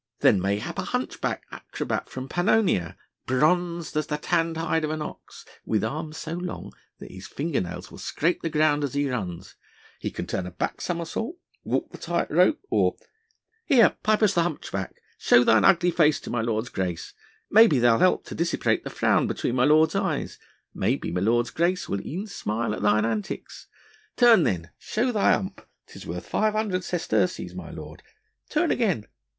then mayhap a hunchback acrobat from Pannonia, bronzed as the tanned hide of an ox, with arms so long that his finger nails will scrape the ground as he runs; he can turn a back somersault, walk the tight rope, or ... Here, Pipus the hunchback, show thine ugly face to my lord's grace, maybe thou'lt help to dissipate the frown between my Lord's eyes, maybe my lord's grace will e'en smile at thine antics.... Turn then, show thy hump, 'tis worth five hundred sesterces, my lord ... turn again